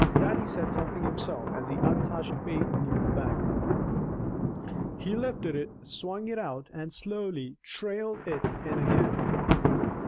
Dannie said something himself as his untouched bait neared the bank. He lifted it, swung it out, and slowly trailed it in again.